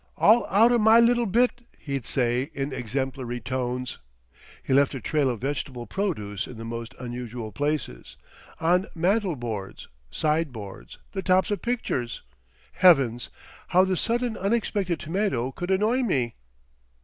"All out o' MY little bit," he'd say in exemplary tones. He left a trail of vegetable produce in the most unusual places, on mantel boards, sideboards, the tops of pictures. Heavens! how the sudden unexpected tomato could annoy me!...